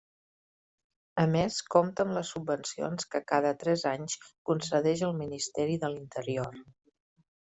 A més, compta amb les subvencions que cada tres anys concedeix el Ministeri de l'Interior.